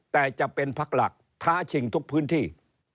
แต่จะเป็นพักหลักท้าชิงทุกพื้นที่